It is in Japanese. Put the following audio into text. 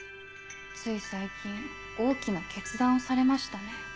つい最近大きな決断をされましたね。